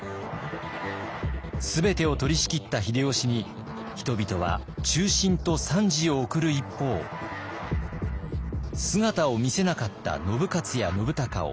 全てを取りしきった秀吉に人々は忠臣と賛辞を送る一方姿を見せなかった信雄や信孝を非難。